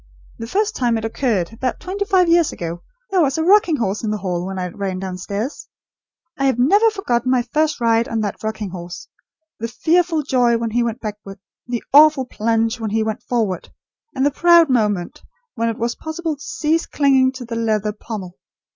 The first time it occurred, about twenty five years ago, there was a rocking horse in the hall, when I ran downstairs! I have never forgotten my first ride on that rocking horse. The fearful joy when he went backward; the awful plunge when he went forward; and the proud moment when it was possible to cease clinging to the leather pommel.